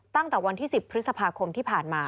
ตั้งแต่วันที่๑๐พฤษภาคมที่ผ่านมา